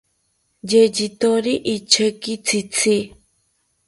Yeyithori icheki tzitzi